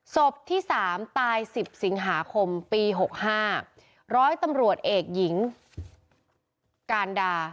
สบที่สามตายสิบสิงหาคมปีหกห้าร้อยตำรวจเอกหญิงกาลดา